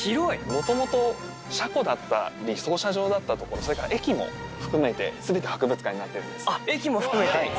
もともと、車庫だったり、操車場だったり、それから駅も含めてすべて博物館になってるんで駅も含めて？